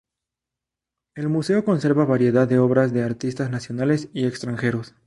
El museo conserva variedad de obras de artistas nacionales y extranjeros.